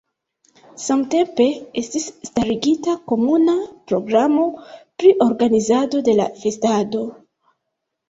Samtempe estis starigita komuna programo pri organizado de la festado.